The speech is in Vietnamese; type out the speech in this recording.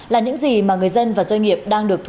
là những gì mà người dân và doanh nghiệp đang đối mặt với